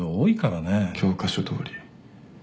教科書どおり。